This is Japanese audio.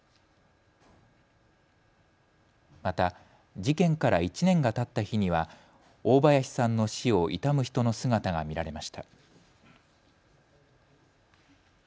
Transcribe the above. また、事件から１年がたった日には大林さんの死を悼む人の姿が見られました。